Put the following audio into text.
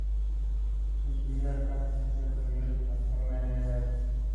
Si su ira alcanza un cierto nivel, se transforma en Mr.